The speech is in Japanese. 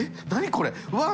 これ。